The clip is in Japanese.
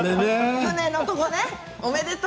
船のところね。